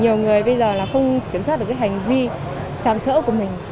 nhiều người bây giờ là không kiểm soát được cái hành vi sàm sỡ của mình